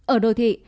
ở đô thị